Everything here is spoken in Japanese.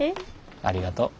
ありがとう。